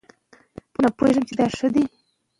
پښتو زموږ د نیکونو او کلتور ژبه ده.